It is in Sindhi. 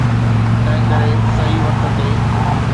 تنهنڪري صحيح وقت تي.